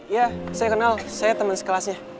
ya saya kenal saya teman sekelasnya